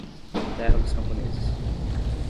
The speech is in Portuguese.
terra dos camponeses